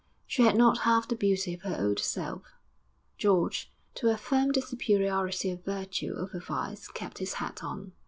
She had not half the beauty of her old self.... George, to affirm the superiority of virtue over vice, kept his hat on.